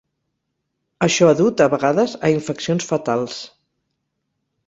Això ha dut a vegades a infeccions fatals.